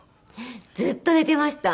ずっと寝ていました。